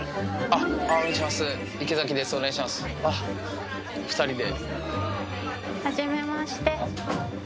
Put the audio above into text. あっお２人で。